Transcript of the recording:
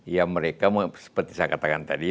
ya mereka seperti saya katakan tadi